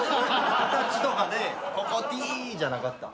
形とかでここＴじゃなかったん？